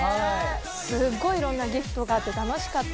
すごいいろんなギフトがあって楽しかった。